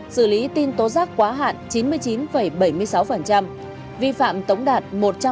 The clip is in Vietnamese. xử lý tin tố giác quá hạn chín mươi chín bảy mươi sáu vi phạm tống đạt một trăm linh